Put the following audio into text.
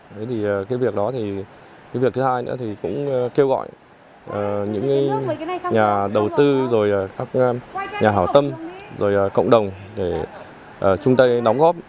thế thì cái việc đó thì cái việc thứ hai nữa thì cũng kêu gọi những nhà đầu tư rồi các nhà hảo tâm rồi cộng đồng để chung tay đóng góp